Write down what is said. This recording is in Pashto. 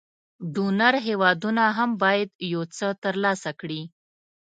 ډونر هېوادونه هم باید یو څه تر لاسه کړي.